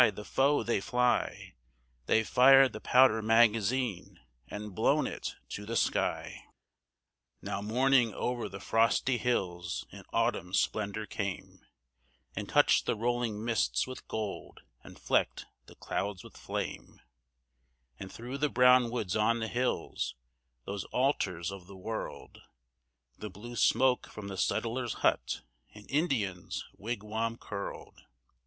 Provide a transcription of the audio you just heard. the foe! they fly! They've fired the powder magazine and blown it to the sky!" III Now morning o'er the frosty hills in autumn splendor came, And touched the rolling mists with gold, and flecked the clouds with flame; And through the brown woods on the hills those altars of the world The blue smoke from the settler's hut and Indian's wigwam curled.